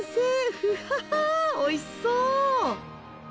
ふはおいしそう！